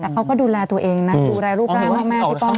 เขาก็ดูแลตัวเองนะดูแลลูกกล้ามแล้วแม่ที่ป้อง